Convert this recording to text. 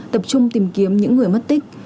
tập trung tìm kiếm những người mất tích